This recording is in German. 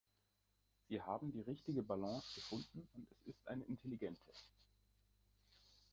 Sie haben die richtige Balance gefunden, und es ist eine intelligente.